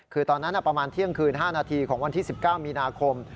คือตอนนั้นประมาณเที่ยงคืน๕นาทีของวันที่๑๙มีนาคม